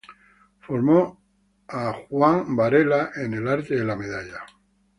Formó a Charles Samuel en el arte de la medalla.